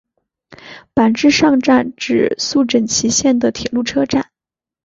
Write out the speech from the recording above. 坂之上站指宿枕崎线的铁路车站。